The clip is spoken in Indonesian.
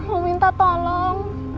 mau minta tolong